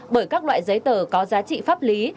bởi các loại giấy tờ có giá trị pháp lý